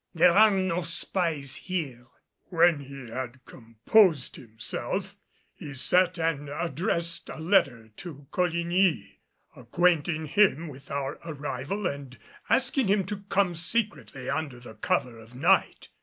There are no spies here." When he had composed himself, he sat and addressed a letter to Coligny, acquainting him with our arrival and asking him to come secretly under the cover of night.